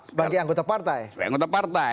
sebagai anggota partai